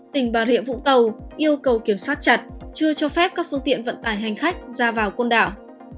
tỉnh bà rịa vũng tàu yêu cầu kiểm soát chặt chưa cho phép các phương tiện vận tải hành khách ra vào côn đảo